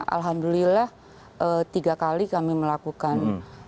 alhamdulillah tiga kali kami melakukan